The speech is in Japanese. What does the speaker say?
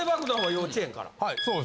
幼稚園から。